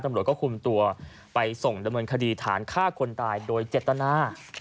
ตำรวจก็คุมตัวไปส่งดำเนินคดีฐานฆ่าคนตายโดยเจตนา